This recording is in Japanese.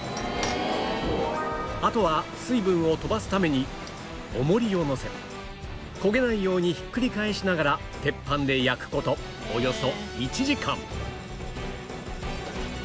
あとは水分を飛ばすために重りをのせ焦げないようにひっくり返しながら鉄板で焼く事およそ１時間